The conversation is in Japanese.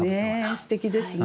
すてきですね。